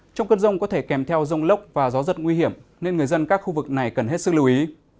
trong cơn rông có thể kèm theo rông lốc và gió giật nguy hiểm nên người dân các khu vực này cần hết sức lưu ý